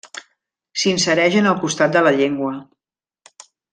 S'insereix en el costat de la llengua.